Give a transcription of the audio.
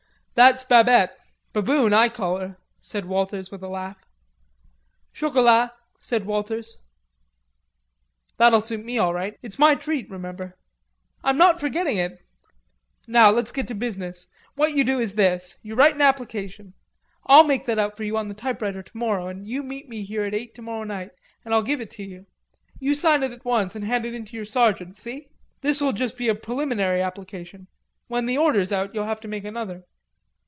"That's Babette; Baboon I call her," said Walters with a laugh. "Chocolat," said Walters. "That'll suit me all right. It's my treat, remember." "I'm not forgetting it. Now let's get to business. What you do is this. You write an application. I'll make that out for you on the typewriter tomorrow and you meet me here at eight tomorrow night and I'll give it to you.... You sign it at once and hand it in to your sergeant. See?" "This'll just be a preliminary application; when the order's out you'll have to make another."